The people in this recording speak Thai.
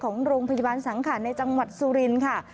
ของโรงพยาบาลสังขารในจังหวัดสุรินทร์ค่ะ